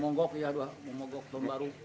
momogok iya momogok tahun baru